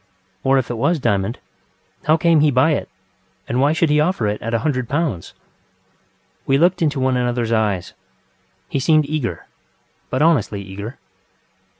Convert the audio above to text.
Or if it was a diamond, how came he by it, and why should he offer it at a hundred pounds? We looked into one anotherŌĆÖs eyes. He seemed eager, but honestly eager.